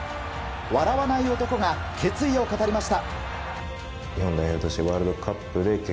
笑わない男が決意を語りました。